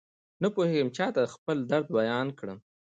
نپوهېږم چاته خپل درد بيان کړم.